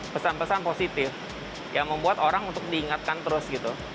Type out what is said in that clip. pesan pesan positif yang membuat orang untuk diingatkan terus gitu